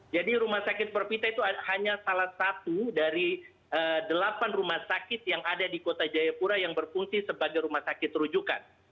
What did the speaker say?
jadi rumah sakit provita itu hanya salah satu dari delapan rumah sakit yang ada di kota jayapura yang berfungsi sebagai rumah sakit terujukan